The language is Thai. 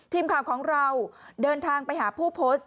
ทีมข่าวของเราเดินทางไปหาผู้โพสต์